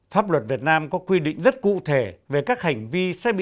pháp luật việt nam có quy định rất cụ thể về các hành vi sẽ bị xử phạt khi tham gia mạng xã hội